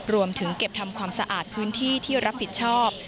รวมถึงเก็บทำความสะอาดพื้นที่ที่รับผิดชอบ